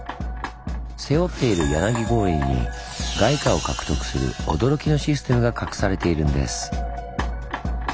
背負っている柳行李に外貨を獲得する驚きのシステムが隠されているんです。